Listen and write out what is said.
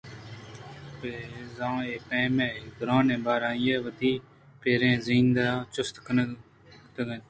بِہ زاں اے پیمیں گرٛانیں بار آئی ءَ وتی پُرّیں زند ءَ چِست نہ کُتگ اَت